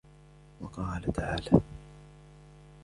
وَقَالَ تَعَالَى: